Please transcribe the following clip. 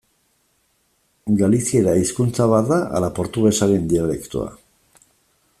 Galiziera hizkuntza bat da ala portugesaren dialektoa?